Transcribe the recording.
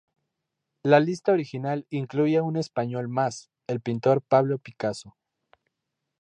La lista original incluía un español más, el pintor Pablo Picasso.